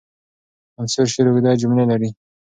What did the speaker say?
منثور شعر اوږده جملې لري.